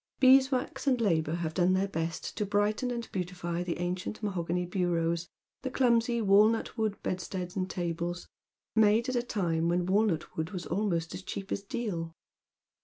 Beeswax and labour Lave done their best to brighten and beautify the ancient mahogany bureaus, the clumsy walnutwood bedsteads and tables, — made at a time when walnutwood was aln»ost as cheap as deal.